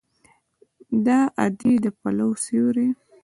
د ادې د پلو سیوری